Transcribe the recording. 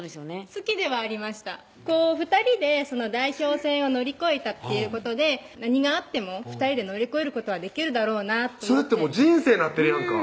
好きではありました２人で代表戦を乗り越えたっていうことで何があっても２人で乗り越えることはできるだろうなと思ってそれって人生なってるやんか